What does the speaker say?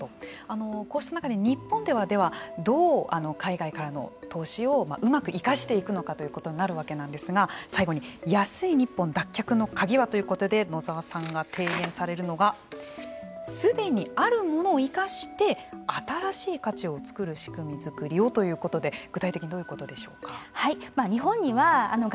こうした中で日本ではどう海外からの投資をうまく生かしていくのかですが最後に安い日本脱却の鍵は？ということで野澤さんが提言されるのがすでにあるものを生かして新しい価値を作る仕組みづくりをということで具体的にどういうことでしょうか。